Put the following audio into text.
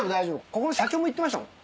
ここの社長も言ってましたもん。